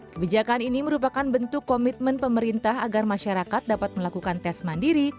kebijakan ini merupakan bentuk komitmen pemerintah agar masyarakat dapat melakukan tes mandiri